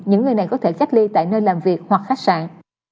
những người này có thể cách ly tại nơi làm việc hoặc khách sạn